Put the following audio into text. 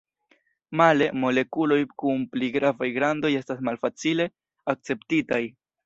Male, molekuloj kun pli gravaj grandoj estas malfacile akceptitaj.